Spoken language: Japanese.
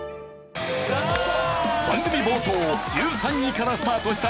番組冒頭１３位からスタートした